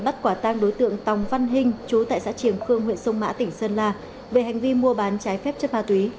bắt quả tăng đối tượng tòng văn hinh chú tại xã trường khương huyện sông mã tp hcm về hành vi mua bán trái phép chất ma túy